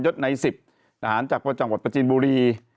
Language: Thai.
ย้ดใน๑๐ทหารจักรจังหวัดพตุนบุรี